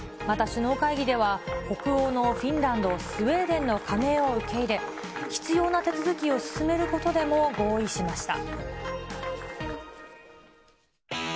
また首脳会議では、北欧のフィンランド、スウェーデンの加盟を受け入れ、必要な手続きを進めることでも合意しました。